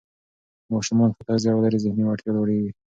که ماشومان ښه تغذیه ولري، ذهني وړتیا لوړېږي.